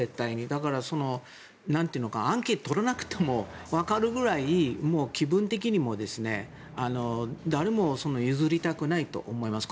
だから、アンケートを取らなくても分かるぐらい気分的にも誰も譲りたくないと思います。